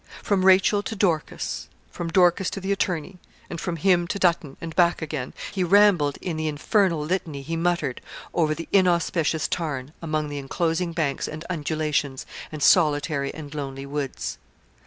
From Rachel to Dorcas, from Dorcas to the attorney, and from him to Dutton, and back again, he rambled in the infernal litany he muttered over the inauspicious tarn, among the enclosing banks and undulations, and solitary and lonely woods.